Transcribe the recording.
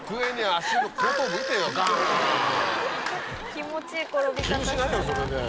気持ちいい転び方したな。